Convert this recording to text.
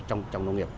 trong nông nghiệp